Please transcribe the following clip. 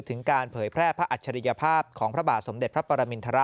ถึงการเผยแพร่พระอัจฉริยภาพของพระบาทสมเด็จพระปรมินทร